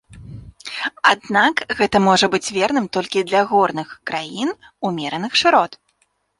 Аднак гэта можа быць верным толькі для горных краін умераных шырот.